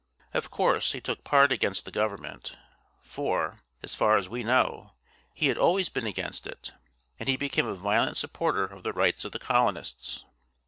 Of course, he took part against the government, for, as far as we know, he had always been against it, and he became a violent supporter of the rights of the colonists.